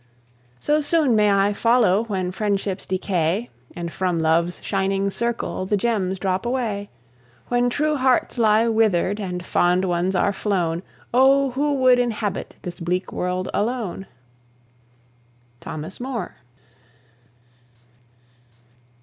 So soon may I follow, When friendships decay, And from Love's shining circle The gems drop away. When true hearts lie withered, And fond ones are flown, O! who would inhabit This bleak world alone? THOMAS MOORE.